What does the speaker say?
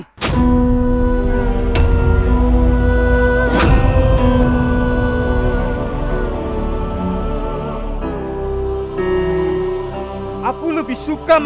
kalau kamu hanya begini dengan sama